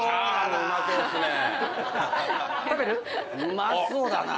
うまそうだな。